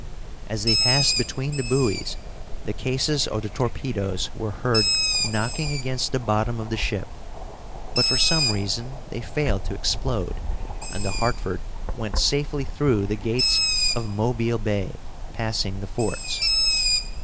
As they passed between the buoys, the cases of the torpedoes were heard knocking against the bottom of the ship; but for some reason they failed to explode, and the Hartford went safely through the gates of Mobile Bay, passing the forts.